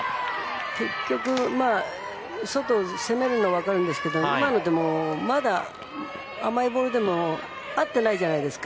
結局外攻めるのは分かるんですけどまだ甘いボールでも合ってないじゃないですか。